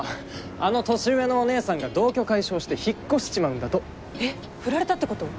あの年上のお姉さんが同居解消して引っ越しちまうんだとえっフラれたってこと？